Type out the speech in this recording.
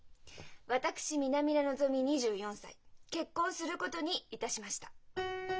私南田のぞみ２４歳結婚することにいたしました。